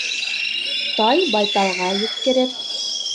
Тай байталға еткерер